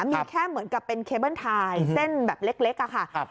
มีแค่เหมือนกับเป็นเคเบิ้ลไทยเส้นแบบเล็กอะค่ะ